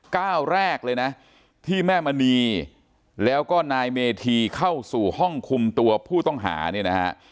ก้าวแรกเลยนะที่แม่มณีแล้วก็นายเมธีเข้าสู่ห้องคุมตัวผู้ต้องหาเนี่ยนะฮะ